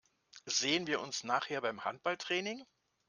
Sehen wir uns nachher beim Handballtraining?